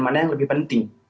mana yang lebih penting